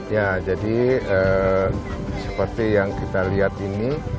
ya jadi seperti yang kita lihat ini